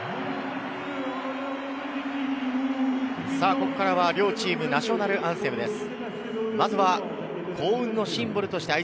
ここからは両チームのナショナルアンセムです。